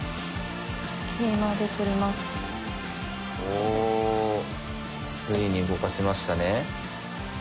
おおついに動かしましたね。